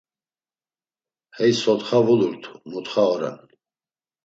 Hey sotxa vulurtu, mutxa oren.